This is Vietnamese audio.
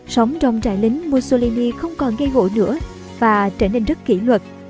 sống trong trại lính mussolini không còn gây gỗ nữa và trở nên rất kỹ luật